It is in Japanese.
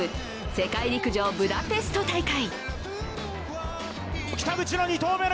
世界陸上ブダペスト大会。